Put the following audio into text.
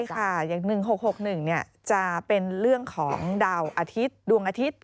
ใช่ค่ะอย่าง๑๖๖๑จะเป็นเรื่องของดวงอาทิตย์